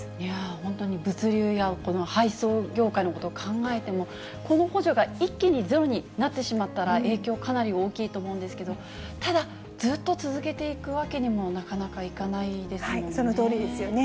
本当に物流や配送業界のことを考えても、この補助が一気にゼロになってしまったら、影響、かなり大きいと思うんですけど、ただ、ずっと続けていくわけにも、なかなかいかそのとおりですよね。